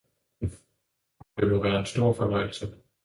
- Hvor det må være en stor fornøjelse!